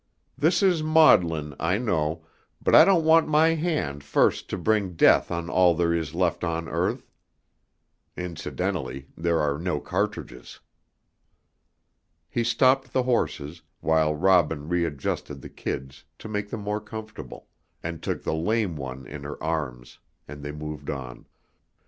This is maudlin, I know, but I don't want my hand first to bring death on all there is left of earth. Incidentally, there are no cartridges." He stopped the horses, while Robin readjusted the kids to make them more comfortable, and took the lame one in her arms, then they moved on.